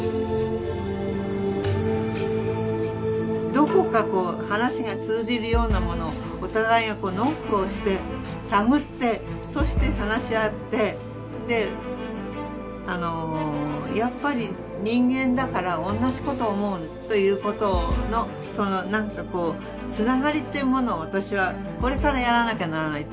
どこかこう話が通じるようなものをお互いがノックをして探ってそして話し合ってやっぱり人間だから同じことを思うということのその何かこうつながりというものを私はこれからやらなきゃならないと思ってますね。